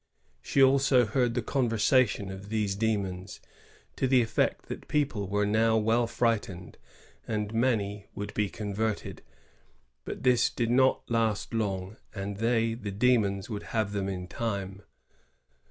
" She also heard the conversa tion of these demons, to the effect that people were now well frightened, and many would be converted; but this would not last long, and they, the demons, would have them in time.